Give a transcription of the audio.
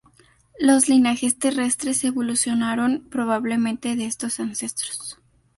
Los linajes terrestres evolucionaron probablemente de estos ancestros.